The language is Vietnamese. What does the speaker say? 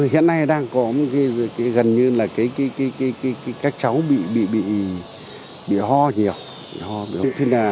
hiện nay đang có gần như là các cháu bị ho nhiều